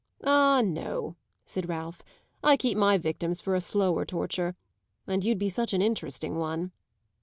"Ah no," said Ralph, "I keep my victims for a slower torture. And you'd be such an interesting one!"